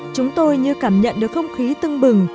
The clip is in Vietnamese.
chúng tôi như cảm nhận được không khí tưng bừng